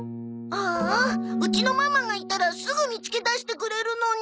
ああうちのママがいたらすぐ見つけ出してくれるのに。